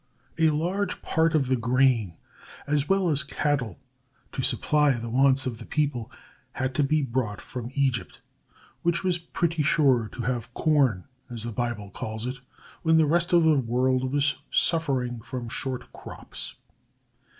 A large part of the grain, as well as cattle, to supply the wants of the people, had to be brought from Egypt, which was pretty sure to have "corn," as the Bible calls it, when the rest of the world was suffering from short crops.